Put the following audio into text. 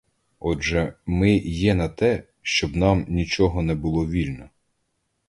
Отже, ми є на те, щоб нам нічого не було вільно.